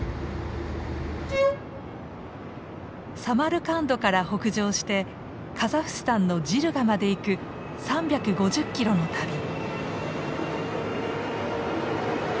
サマルカンドから北上してカザフスタンのジルガまで行く３５０キロの旅。